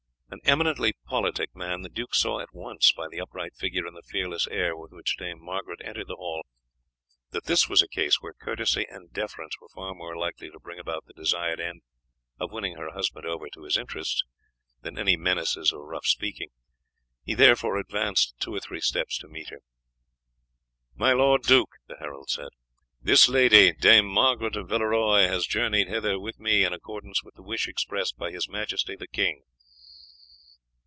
An eminently politic man, the duke saw at once by the upright figure and the fearless air with which Dame Margaret entered the hall, that this was a case where courtesy and deference were far more likely to bring about the desired end of winning her husband over to his interests, than any menaces or rough speaking; he therefore advanced two or three steps to meet her. "My lord duke," the herald said, "this lady, Dame Margaret of Villeroy, has journeyed hither with me in accordance with the wish expressed by His Majesty the king."